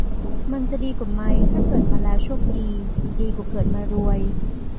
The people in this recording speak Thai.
มันจะดีกว่าไหมถ้าเกิดมาแล้วโชคดี ดีกว่าเกิดมารวย